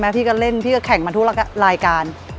พี่ก็เล่นพี่ก็แข่งมาทุกรายการ